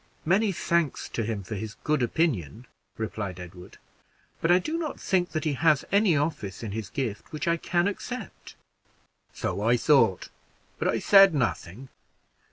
"Many thanks to him for his good opinion," replied Edward; "but I do not think that he has any office in his gift which I can accept." "So I thought, but I said nothing.